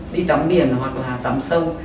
đi tắm biển hoặc là tắm sông